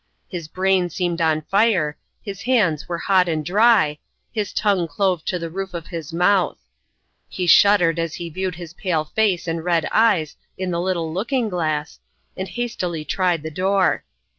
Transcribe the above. His brain seemed on fire, his hands were hot and dry, his tongue clove to the roof of his mouth. He shuddered as he viewed his pale face and red eyes in the little looking glass, and hastily tried the door.